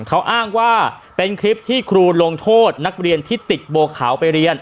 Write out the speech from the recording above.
เขาอ้างว่าเป็นคลิปที่ครูลงโทษนักเรียนที่ติดโบขาวไปเรียน